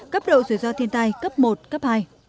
cấp độ rủi ro thiên tai cấp một cấp hai